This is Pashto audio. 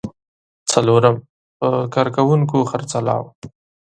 څلورم: په کارکوونکو خرڅلاو.